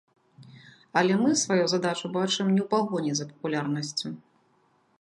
Але мы сваю задачу бачым не ў пагоні за папулярнасцю.